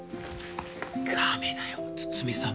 ダメだよ筒見さん